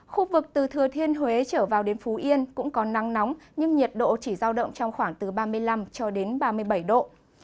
khu vực từ thừa thiên huế trở vào đến phú yên cũng có nắng nóng nhưng nhiệt độ chỉ giao động trong khoảng từ ba mươi năm cho đến ba mươi bảy độ